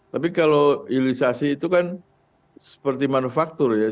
tapi kalau hilirisasi itu kan seperti manufaktur ya